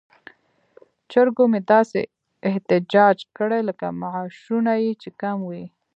چرګو مې داسې احتجاج کړی لکه معاشونه یې چې کم وي.